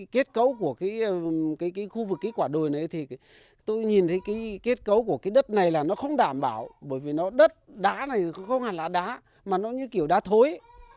khu vực quả đồi này tôi nhìn thấy kết cấu của đất này là nó không đảm bảo bởi vì đất đá này không hẳn là đá mà nó như kiểu đá thối